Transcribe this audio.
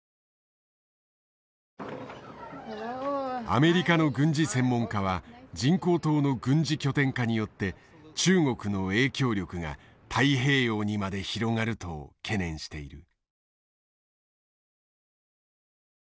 アメリカの軍事専門家は人工島の軍事拠点化によって中国の影響力が太平洋にまで広がると懸念している。